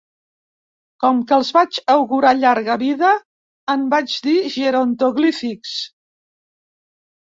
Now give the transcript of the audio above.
Com que els vaig augurar llarga vida, en vaig dir “gerontoglífics”.